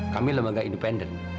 kami lembaga independen